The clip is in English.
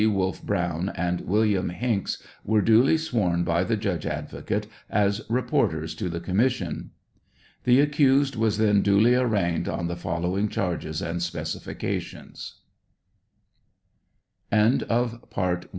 Wolfe Brown,, and William Hinks were duly sworn by the judge advocate as reporters to the commission. The accused was then duly arraigned on the following charges and specifica tions : CHARGES A